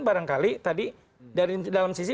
barangkali tadi dari dalam sisi